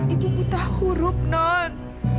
ibu buta huruf non